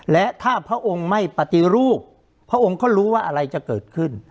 และถ้าพระองค์ไม่ปฏิรูปพระองค์ก็รู้ว่าอะไรจะเกิดขึ้น